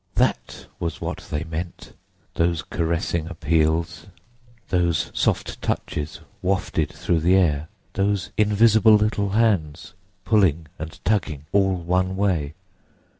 That was what they meant, those caressing appeals, those soft touches wafted through the air, those invisible little hands pulling and tugging, all one way!